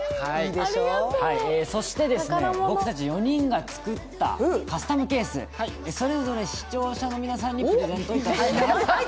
そして僕たち４人が作ったカスタムケース、それぞれ視聴者の皆さんにプレゼントいたします。